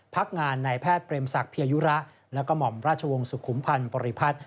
พักงานในแพทย์เปรมศักดิยยุระแล้วก็หม่อมราชวงศ์สุขุมพันธ์บริพัฒน์